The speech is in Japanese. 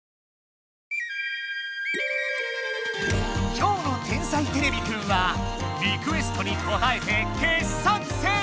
今日の「天才てれびくん」はリクエストにこたえて傑作選！